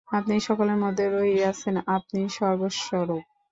আপনিই সকলের মধ্যে রহিয়াছেন, আপনিই সর্বস্বরূপ।